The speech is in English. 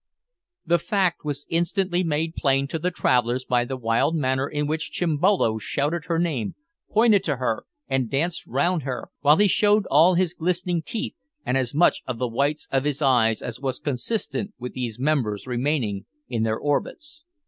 The fact was instantly made plain to the travellers by the wild manner in which Chimbolo shouted her name, pointed to her, and danced round her, while he showed all his glistening teeth and as much of the whites of his eyes as was consistent with these members remaining in their orbits.